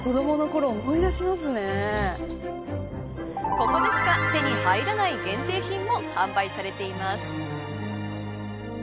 ここでしか手に入らない限定品も販売されています。